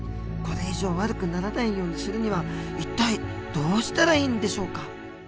これ以上悪くならないようにするには一体どうしたらいいんでしょうか？